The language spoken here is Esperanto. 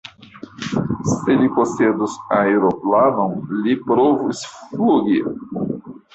Se li posedus aeroplanon, li provus flugi.